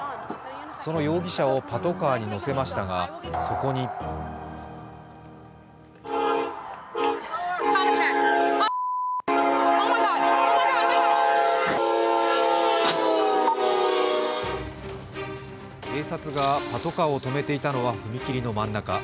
その容疑者をパトカーに乗せましたが、そこに警察がパトカーを止めていたのは踏切の真ん中。